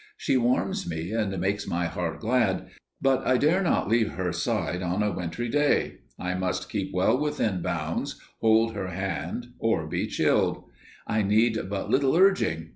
She warms me and makes my heart glad, but I dare not leave her side on a wintry day. I must keep well within bounds, hold her hand or be chilled. I need but little urging!